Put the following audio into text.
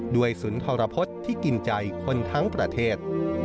ด้วยศุลธรรพที่กินใจคนทั้งประเทศ